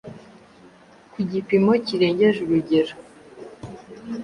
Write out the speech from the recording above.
iri ku gipimo kirengeje urugero